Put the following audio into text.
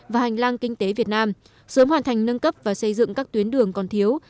và hành lang kinh tế việt nam sớm hoàn thành nâng cấp và xây dựng các tuyến đường còn thiếu